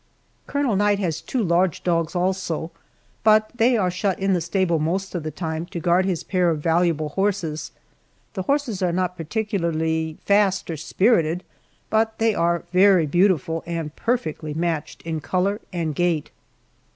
Colonel Knight has two large dogs also, but they are shut in the stable most of the time to guard his pair of valuable horses. The horses are not particularly fast or spirited, but they are very beautiful and perfectly matched in color and gait.